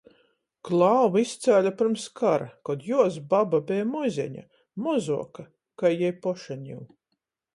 Klāvu izcēle pyrms kara, kod juos baba beja mozeņa, mozuoka kai jei poša niu.